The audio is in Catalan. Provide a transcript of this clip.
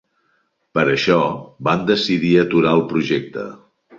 Per això, van decidir aturar el projecte.